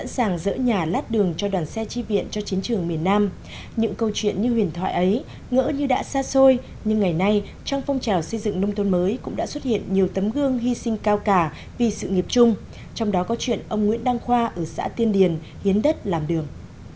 sau đó có chuyện ông nguyễn đăng khoa ở xã tiên điền hiến đất làm đường